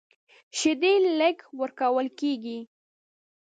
شیدې لږ ورکول کېږي.